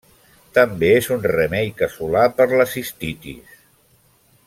També és un remei casolà per la cistitis.